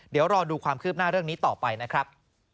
เดี๋ยวรอดูความคืบหน้าเรื่องนี้ต่อไปนะครับ